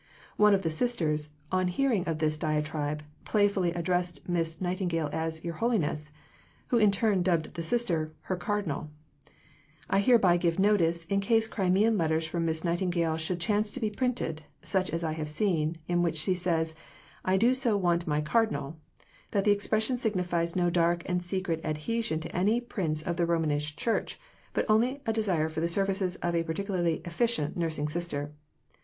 One of the Sisters, on hearing of this diatribe, playfully addressed Miss Nightingale as "Your Holiness," who in turn dubbed the Sister "her Cardinal." I hereby give notice, in case Crimean letters from Miss Nightingale should chance to be printed (such as I have seen) in which she says, "I do so want my Cardinal," that the expression signifies no dark and secret adhesion to any Prince of the Roman Church, but only a desire for the services of a particularly efficient nursing Sister.